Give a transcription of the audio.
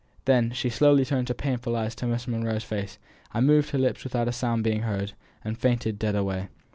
Then she slowly turned her painful eyes upon Miss Monro's face, and moved her lips without a sound being heard, and fainted dead away.